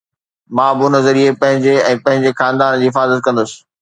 مان به ان ذريعي پنهنجي ۽ پنهنجي خاندان جي حفاظت ڪندس